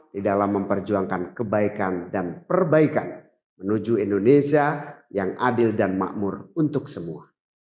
di dalam memperjuangkan kebaikan dan perbaikan menuju indonesia yang adil dan makmur untuk semua